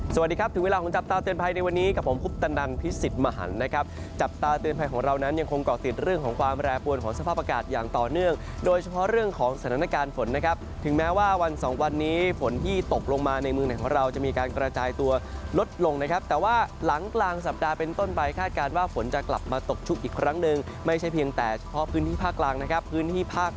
สวัสดีครับถึงเวลาของจับตาเตือนไพรในวันนี้กับผมคุณตานังพิสิทธิ์มหันฯนะครับจับตาเตือนไพรของเรานั้นยังคงเกาะติดเรื่องของความแรร์ปวลของสภาพอากาศอย่างต่อเนื่องโดยเฉพาะเรื่องของสถานการณ์ฝนนะครับถึงแม้ว่าวันสองวันนี้ฝนที่ตกลงมาในเมืองของเราจะมีการกระจายตัวลดลงนะครับแต่ว่าห